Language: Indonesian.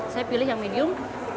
saya pilih yang medium